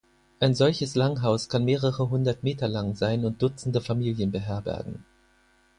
Ein solches Langhaus kann mehrere hundert Meter lang sein und Dutzende Familien beherbergen.